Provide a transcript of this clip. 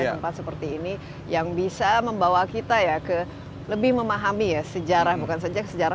tempat seperti ini yang bisa membawa kita ya ke lebih memahami ya sejarah bukan saja sejarah